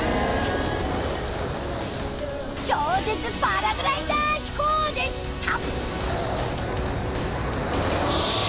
超絶パラグライダー飛行でした。